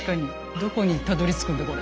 どこにたどりつくんだこれ。